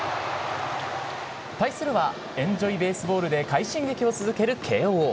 対するは、エンジョイベースボールで快進撃を続ける慶応。